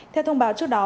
theo thông báo trước đó